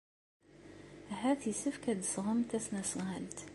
Ahat yessefk ad d-tesɣem tasnasɣalt.